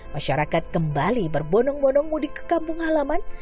masyarakat kembali berbonong bonong mudik ke kampung halaman